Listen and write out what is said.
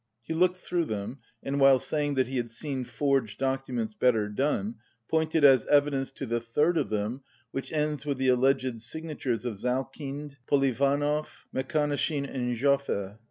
He looked through them, and while saying that he had seen forged documents better done, pointed as evidence to the third of them which ends with the alleged signatures of Zalkind, Polivanov, Mek hanoshin and JofFe.